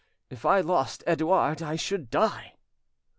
If I lost Edouard I should die!"